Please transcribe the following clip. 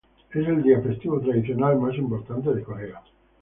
Es el día festivo tradicional más importante de Corea.